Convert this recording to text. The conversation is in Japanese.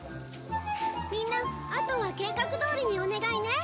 みんなあとは計画どおりにお願いね。